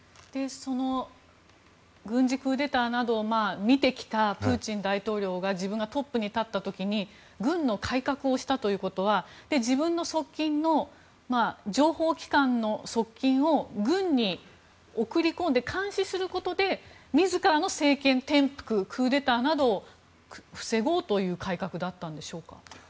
その軍事クーデターなどを見てきたプーチン大統領が自分がトップに立った時に軍の改革をしたということは自分の側近の情報機関の側近を軍に送り込んで監視することで自らの政権転覆クーデターなどを防ごうという改革だったんでしょうか。